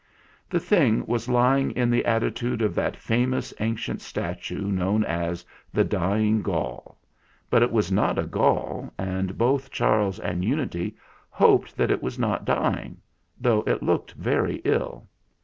The thing was lying in the attitude of that famous ancient statue known as "The Dying Gaul" ; but it was not a Gaul, and both Charles and Unity hoped that it was not dying, though it looked very ill.